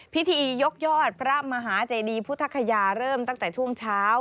พิธียกยอดพระมหาเจดีพุทธคยาเริ่มตั้งแต่ช่วงเช้า